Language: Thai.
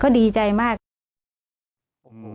ก็ดีใจมาก